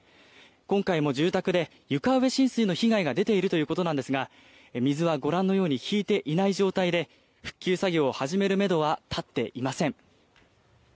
今回も住宅で床上浸水の被害が出ているということなんですが水は、ご覧のように引いていない状況で復旧作業を始めるめどは立っていません。